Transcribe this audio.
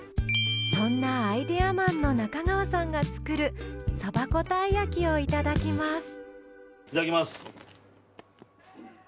そんなアイデアマンの中川さんが作るそば粉たい焼きをいただきますいただきます。